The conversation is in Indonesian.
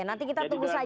nanti kita tunggu saja